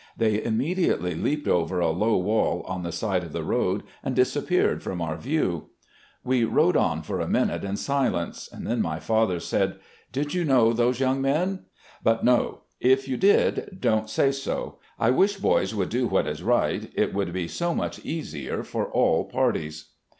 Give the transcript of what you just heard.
They immediately leaped over a low wall on the side of the road and disappeared from our view. SERVICES IN THE ARMY 13 We rode on for a minute in silence; then my father said: " Did you know those young men ? But no; if you did, don't say so. I wish boys would do what is right, it would be so much easier for all parties